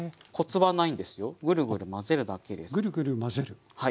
はい。